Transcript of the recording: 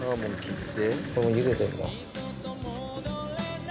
これもゆでてんだ。